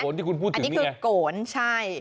อันนี้คือโกนใช่